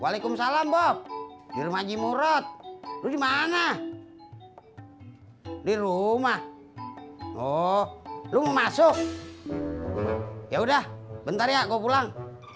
walaikum salam bob di rumah ji murad lu gimana di rumah oh lu masuk ya udah bentar ya gue pulang